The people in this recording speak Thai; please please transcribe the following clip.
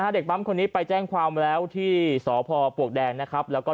เด็กปั๊มคนนี้ไปแจ้งความแล้วที่สพปวกแดงนะครับ